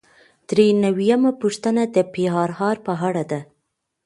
درې نوي یمه پوښتنه د پی آر آر په اړه ده.